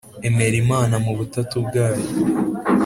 emera imana mu butatu bwayo